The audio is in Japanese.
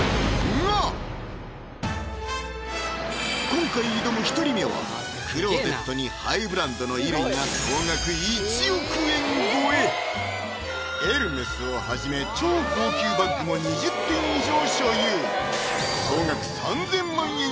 今回挑む１人目はクローゼットにハイブランドの衣類が総額エルメスをはじめ超高級バッグも２０点以上所有総額